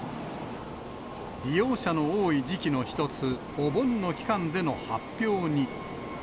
利用者の多い時期の一つ、お盆の期間での発表に。